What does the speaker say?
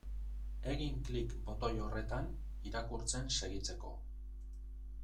Egin klik botoi horretan irakurtzen segitzeko.